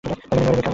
মেনে নাও, রেবেকা।